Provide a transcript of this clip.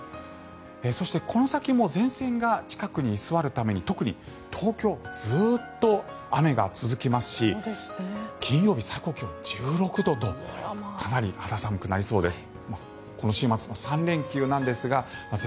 そして、この先も前線が近くに居座るために特に東京、ずっと雨が続きますし金曜日、最高気温１６度とかなり肌寒くなりそうです。